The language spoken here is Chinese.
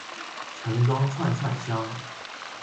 陈钢串串香